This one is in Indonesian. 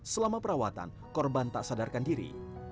selama perawatan korban tak sadarkan diri